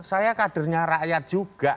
saya kadernya rakyat juga